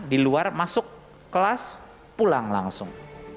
di luar masuk kelas pulang langsung